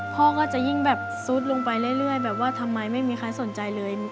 พ่อก็จะยิ่งแบบซุดลงไปเรื่อยแบบว่าทำไมไม่มีใครสนใจเลย